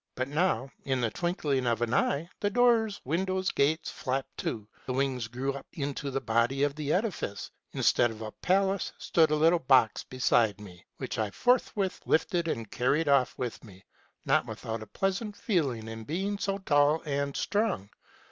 But now, in the twinkling of an eye, the doors, windows, gates, flapped to ; the wings drew up into the body of the edifice ; instead of a palace stood a little box beside me, which I forthwith lifted, and carried off with me, not without a pleasant feel ing in being so tall and strong.